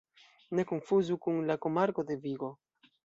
Ne konfuzu kun la komarko de Vigo.